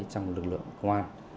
trong lực lượng hoa